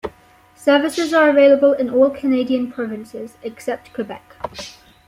Services are available in all Canadian provinces, except Quebec.